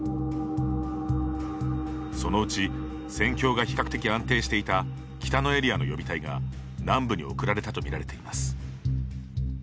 そのうち戦況が比較的安定していた北のエリアの予備隊が南部に送られたと見られています。